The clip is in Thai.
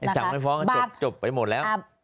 สั่งไม่ฟ้องก็จบไปหมดแล้ว